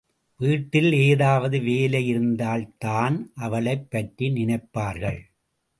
வீட்டில் ஏதாவது வேலையாயிருந்தால்தான் அவளைப் பற்றி நினைப்பார்கள்.